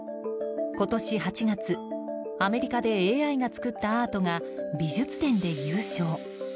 今年８月、アメリカでＡＩが作ったアートが美術展で優勝。